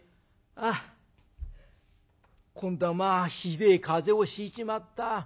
「ああ今度はまあひでえ風邪をひいちまった。